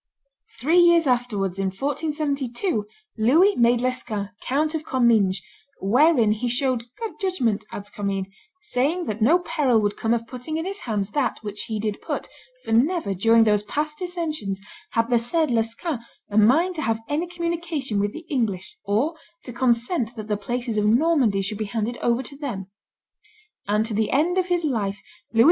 Three years afterwards, in 1472, Louis made Lescun Count of Comminges, "wherein he showed good judgment," adds Commynes, "saying that no peril would come of putting in his hands that which he did put, for never, during those past dissensions, had the said Lescun a mind to have any communication with the English, or to consent that the places of Normandy should be handed over to them;" and to the end of his life Louis XI.